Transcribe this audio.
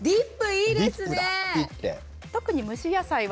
いいですね。